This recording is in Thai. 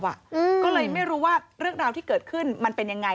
ก็เลยไม่รู้ว่าเรื่องราวที่เกิดขึ้นมันเป็นยังไง